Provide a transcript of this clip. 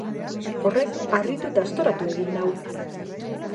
Horrek harritu eta aztoratu egin nau.